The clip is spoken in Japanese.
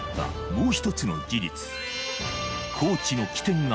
もう一つの事実